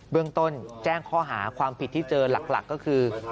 เรื่องต้นแจ้งข้อหาความผิดที่เจอหลักก็คือ